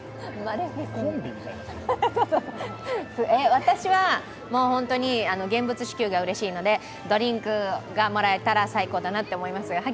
私は、本当に現物支給がうれしいのでドリンクがもらえたら最高だと思います。